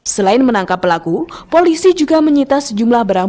selain menangkap pelaku polisi juga menyita sejumlah barang